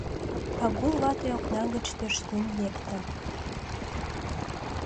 Пагул вате окна гыч тӧрштен лектын.